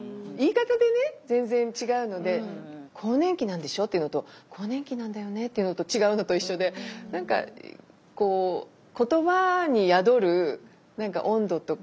言い方でね全然違うので「更年期なんでしょ？」っていうのと「更年期なんだよね」っていうのと違うのと一緒で何かこう言葉に宿る温度とか。